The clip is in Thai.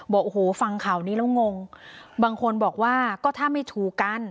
บอกโอ้โหฟังข่าวนี้แล้วงงบางคนบอกว่าก็ถ้าไม่ถูกกัน